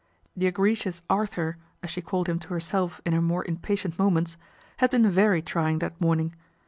' The egregious Arthur," as she called him to herself in her more impatient moments, had been very trying that morning.